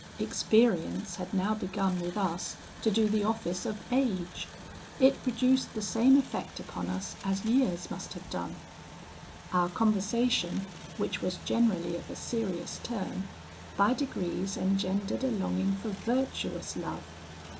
Experience had now begun with us to do the office of age; it produced the same effect upon us as years must have done. Our conversation, which was generally of a serious turn, by degrees engendered a longing for virtuous love.